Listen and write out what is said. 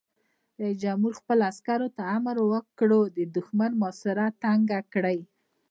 رئیس جمهور خپلو عسکرو ته امر وکړ؛ د دښمن محاصره تنګه کړئ!